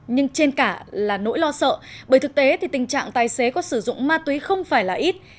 nhưng trên cả là nỗi lo sợ bởi thực tế thì tình trạng tài xế có sử dụng ma túy không phải là ít